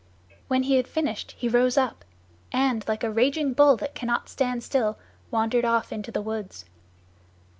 "When he had finished he rose up, and, like a raging bull that cannot stand still, wandered off into the woods.